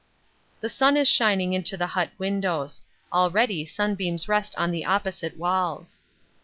The sun is shining into the hut windows already sunbeams rest on the opposite walls.